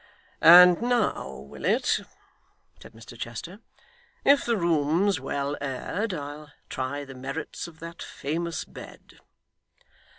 'And now, Willet,' said Mr Chester, 'if the room's well aired, I'll try the merits of that famous bed.